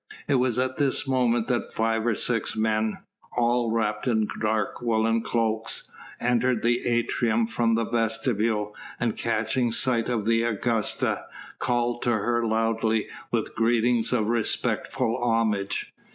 It was at this moment that five or six men all wrapped in dark woollen cloaks entered the atrium from the vestibule, and catching sight of the Augusta, called to her loudly with greetings of respectful homage.